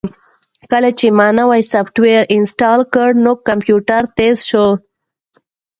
کله چې ما نوی سافټویر انسټال کړ نو کمپیوټر تېز شو.